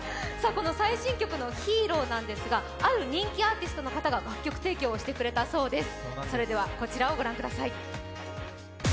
最新曲の「ＨＥＲＯ」ですが、ある人気アーティストの方が楽曲提供をしてくれたそうです。